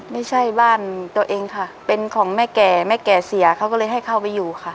ไม่ใช่บ้านตัวเองค่ะเป็นของแม่แก่แม่แก่เสียเขาก็เลยให้เข้าไปอยู่ค่ะ